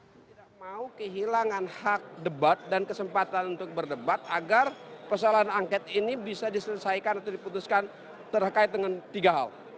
saya tidak mau kehilangan hak debat dan kesempatan untuk berdebat agar persoalan angket ini bisa diselesaikan atau diputuskan terkait dengan tiga hal